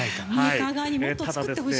もっと作ってほしいですよね。